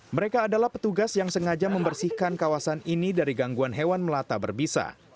mereka adalah petugas yang sengaja membersihkan kawasan ini dari gangguan hewan melata berbisa